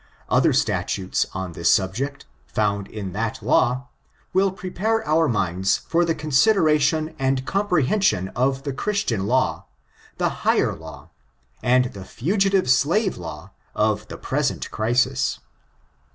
Other statutes on this subject, found in tiiat law, will prepare our minds for the consideration and comprehension of the Christian law, the higher law, and the Fugitive Slave Law of the present crisis.